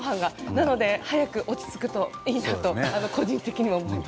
なので、早く落ち着くといいなと個人的には思います。